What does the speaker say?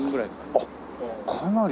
あっかなり。